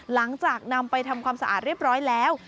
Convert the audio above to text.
หลังจากนำไปทำความสะอาดเรียบร้อยแล้ว